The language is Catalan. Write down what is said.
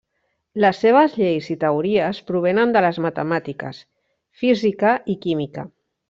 Les seves lleis i teories provenen de les matemàtiques, física i química.